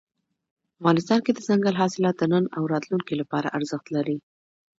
افغانستان کې دځنګل حاصلات د نن او راتلونکي لپاره ارزښت لري.